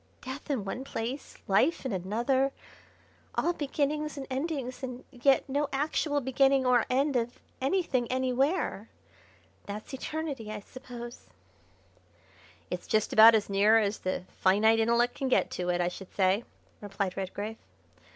death in one place, life in another, all beginnings and endings, and yet no actual beginning or end of anything anywhere. That's eternity, I suppose." "It's just about as near as the finite intellect can get to it, I should say," replied Redgrave.